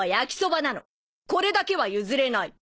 これだけは譲れない！